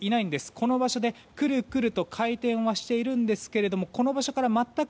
この場所で、くるくると回転はしているんですがこの場所から全く